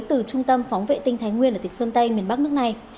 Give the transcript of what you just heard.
từ trung tâm phóng vệ tinh thái nguyên ở tịch sơn tây miền bắc nước này